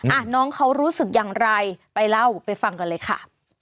อ่ะน้องเขารู้สึกอย่างไรไปเล่าไปฟังกันเลยค่ะ